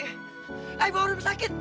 eh bawa rumah sakit